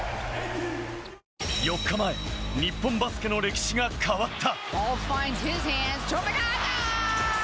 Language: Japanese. ４日前、日本バスケの歴史が変わった。